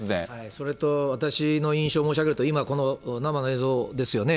それと私の印象を申し上げると、今、この生の映像ですよね。